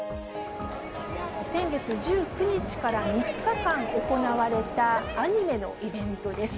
先月１９日から３日間行われた、アニメのイベントです。